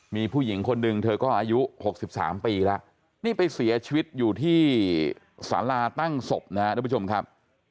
มีผู้หญิงคนหนึ่งเธอก็อายุ๖๓ปีแล้วนี่ไปเสียชีวิตอยู่ที่สาราตั้งศพนะครับทุกผู้ชมครับ